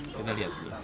kita lihat dulu